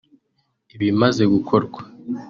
ibimaze gukorwa